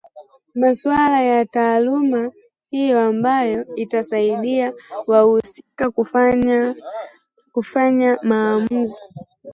maswala ya taaluma hiyo ambayo itasaidia wahusika kufanya maamuzi